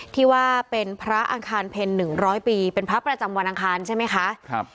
ที่ว่าเป็นพระอังคารเพลงหนึ่งร้อยปีเป็นพระประจำวันอังคารใช่ไหมคะครับ